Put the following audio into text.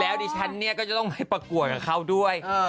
แล้วดิฉันเนี่ยก็จะต้องให้ประกวดกับเขาด้วย